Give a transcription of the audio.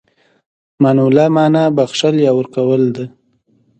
مناوله مانا بخښل، يا ورکول ده.